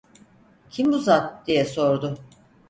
"Kim bu zat?" diye sordu.